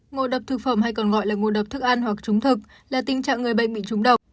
ngộ độc thực phẩm hay còn gọi là ngộ độc thức ăn hoặc trúng thực là tình trạng người bệnh bị trúng độc